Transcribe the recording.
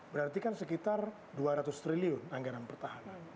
berarti kan sekitar dua ratus triliun anggaran pertahanan